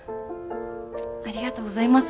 ありがとうございます。